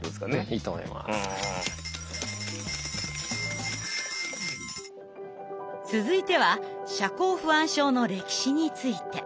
続いては社交不安症の歴史について。